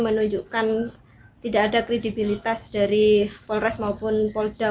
menunjukkan tidak ada kredibilitas dari polres maupun polda